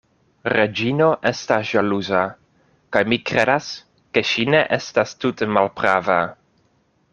Reĝino estas ĵaluza: kaj mi kredas, ke ŝi ne estas tute malprava.